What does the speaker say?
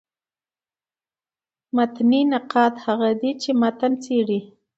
متني نقاد هغه دﺉ، چي متن څېړي.